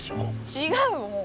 違うもう。